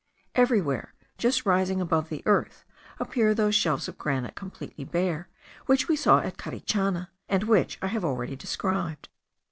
Everywhere, just rising above the earth, appear those shelves of granite completely bare, which we saw at Carichana, and which I have already described.